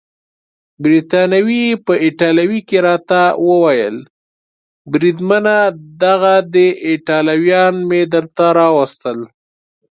بریتانوي په ایټالوي کې راته وویل: بریدمنه دغه دي ایټالویان مې درته راوستل.